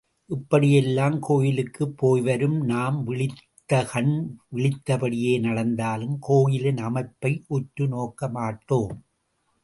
இப்படியெல்லாம் கோயிலுக்குப் போய் வரும் நாம் விழித்த கண் விழித்தபடியே நடந்தாலும் கோயிலின் அமைப்பை உற்று நோக்கமாட்டோம்.